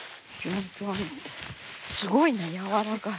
すごいねやわらかい。